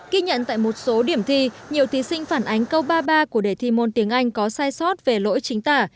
ký nhận tại một số điểm thi nhiều thí sinh phản ánh câu ba mươi ba của đề thi môn tiếng anh có sai sót về lỗi chính tả